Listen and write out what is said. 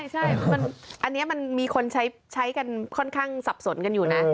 ใช่อันนี้มันมีคนใช้กันค่อนข้างสับสนกันอยู่นะ